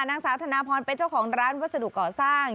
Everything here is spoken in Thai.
นางสาวธนาพรเป็นเจ้าของร้านวัสดุก่อสร้าง